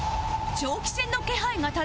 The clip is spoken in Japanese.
長期戦の気配が漂う中